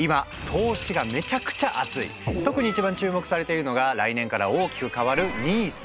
今特に一番注目されているのが来年から大きく変わる「ＮＩＳＡ」。